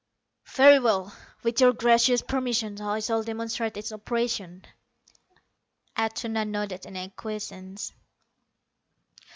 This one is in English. "Very well. With your gracious permission I shall demonstrate its operation." Atuna nodded in acquiescence.